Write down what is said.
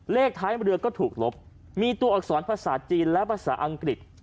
เลขท้ายเรือก็ถูกลบมีตัวอักษรภาษาจีนและภาษาอังกฤษ